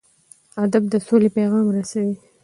ادب د سولې پیغام رسوي.